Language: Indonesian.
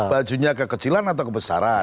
bajunya kekecilan atau kebesaran